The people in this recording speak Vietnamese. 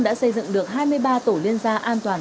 đã xây dựng được hai mươi ba tổ liên gia an toàn